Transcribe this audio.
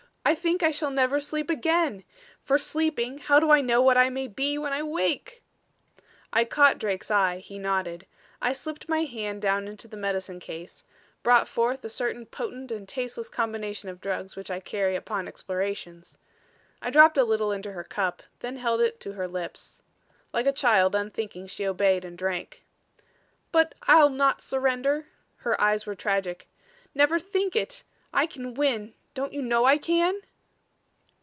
I think I shall never sleep again. For sleeping how do I know what I may be when I wake?" I caught Drake's eye; he nodded. I slipped my hand down into the medicine case, brought forth a certain potent and tasteless combination of drugs which I carry upon explorations. I dropped a little into her cup, then held it to her lips. Like a child, unthinking, she obeyed and drank. "But I'll not surrender." Her eyes were tragic. "Never think it! I can win don't you know I can?"